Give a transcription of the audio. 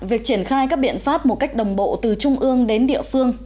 việc triển khai các biện pháp một cách đồng bộ từ trung ương đến địa phương